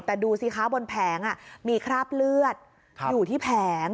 แต่ดูสิคะบนแผงมีคราบเลือดอยู่ที่แผง